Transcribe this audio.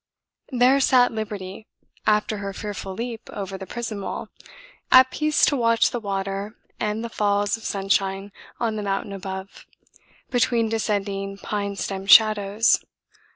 There sat Liberty, after her fearful leap over the prison wall, at peace to watch the water and the falls of sunshine on the mountain above, between descending pine stem shadows.